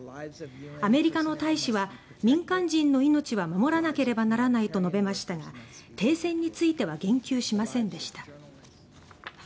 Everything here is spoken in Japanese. アメリカの大使は民間人の命は守らなければならないと述べましたが停戦については言及しませんでした。